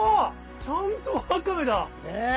ちゃんとワカメだ！ねぇ！